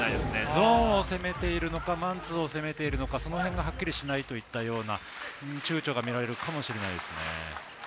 ゾーンを攻めているのか、マンツーを攻めているのか、そのへんがはっきりしないというか躊躇が見られるかもしれませんね。